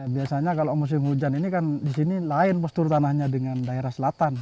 biasanya kalau musim hujan ini kan di sini lain postur tanahnya dengan daerah selatan